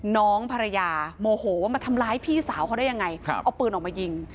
น้องภรรยาโมโหว่ามาทำร้ายพี่สาวเขาได้ยังไงเอาปืนออกมายิง